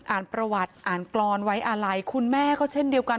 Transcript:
อ่านประวัติอ่านกรอนไว้อาลัยคุณแม่ก็เช่นเดียวกัน